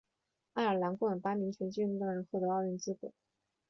爱尔兰共有八名拳击运动员获得奥运资格。